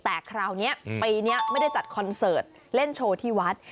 แต่คราวนี้ปีนี้ไม่ได้จัดคอนเสิร์ตเล่นโชว์ที่วัด